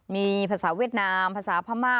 มีภาษาเวียดนามภาษาพม่า